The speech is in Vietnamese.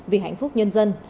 vì hạnh phúc nhân dân